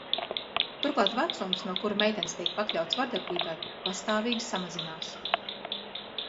Turklāt vecums, no kura meitenes tiek pakļautas vardarbībai, pastāvīgi samazinās.